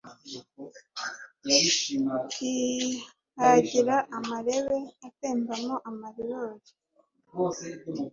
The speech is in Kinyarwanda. Ukihagira amarebe Atembamo amaribori,